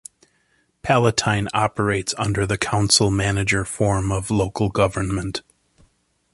Palatine operates under the Council-manager form of local government.